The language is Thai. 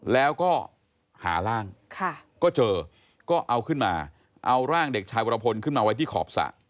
แล้วก็หาร่างก็เจอก็เอาขึ้นมาเอาร่างเด็กชายวรพลขึ้นมาไว้ที่ขอบสระ